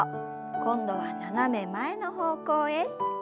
今度は斜め前の方向へ。